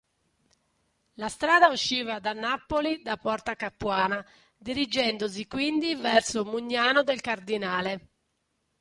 La strada usciva da Napoli da porta Capuana dirigendosi quindi verso Mugnano del Cardinale.